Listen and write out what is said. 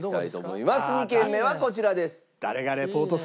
２軒目はこちらです。